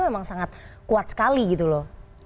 memang sangat kuat sekali gitu loh